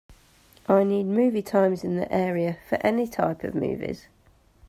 I need movie times in the area for any type of movies